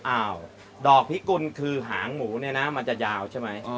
อ้าวดอกพิกุลคือหางหมูเนี่ยนะมันจะยาวใช่ไหม